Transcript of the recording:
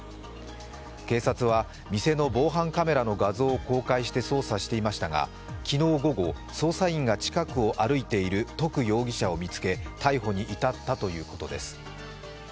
警察は店の防犯カメラの画像を公開して捜査していましたが、昨日午後、捜査員が近くを歩いている徳容疑者を見つけ逮捕に至ったということです。